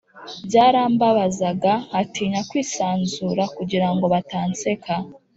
byarambabazaga, nkatinya kwisanzura kugira ngo batanseka